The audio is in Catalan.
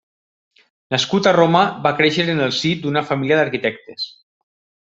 Nascut a Roma, va créixer en el si d'una família d'arquitectes.